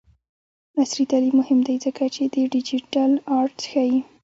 عصري تعلیم مهم دی ځکه چې د ډیجیټل آرټ ښيي.